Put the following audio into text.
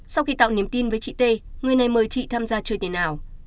sau khi tạo niềm tin với chị t người này mời chị tham gia chơi tiền ảo